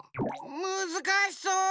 むずかしそう。